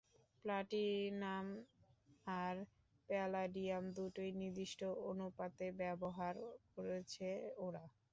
Platinum আর palladium দুটোই নির্দিষ্ট অনুপাতে ব্যবহার করেছে ওরা।